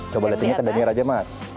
coba lihat ini ke danir aja mas